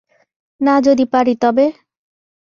না যদি পারি তবে?